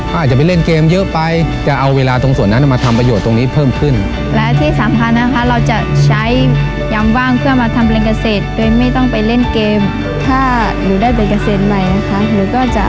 เขาอาจจะไปเล่นเกมเยอะไปจะเอาเวลาตรงส่วนนั้นมาทำประโยชน์ตรงนี้เพิ่มขึ้น